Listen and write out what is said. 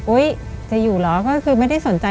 จะอยู่เหรอก็คือไม่ได้สนใจ